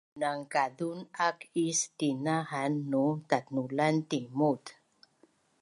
Pindangkazun ak is tina han num tatnulan tingmut